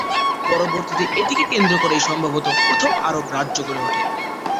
পরবর্তীতে এটিকে কেন্দ্র করেই সম্ভবত প্রথম আরব রাজ্য গড়ে উঠে।